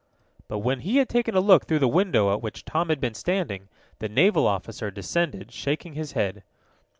But, when he had taken a look through the window at which Tom had been standing, the naval officer descended, shaking his head.